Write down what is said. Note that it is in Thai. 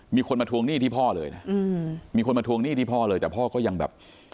มีคนมาทวงหนี้ที่พ่อเลยนะมีคนมาทวงหนี้ที่พ่อเลยแต่พ่อก็ยังแบบ